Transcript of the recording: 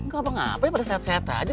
gapapa gapanya pada sehat sehat aja